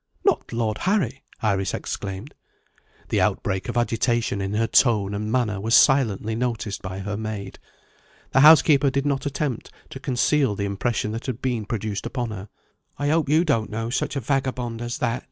"Not Lord Harry?" Iris exclaimed. The outbreak of agitation in her tone and manner was silently noticed by her maid. The housekeeper did not attempt to conceal the impression that had been produced upon her. "I hope you don't know such a vagabond as that?"